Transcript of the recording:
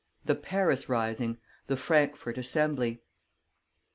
THE PARIS RISING THE FRANKFORT ASSEMBLY.